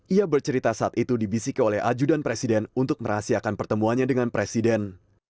hal ini diawali dari cerita saat itu dibisiki oleh ajudan presiden untuk merahasiakan pertemuannya dengan presiden